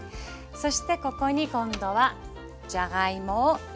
そしてここに今度はじゃがいもを入れます。